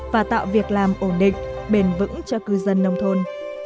và tạo việc làm ổn định bền vững cho cư dân nông thôn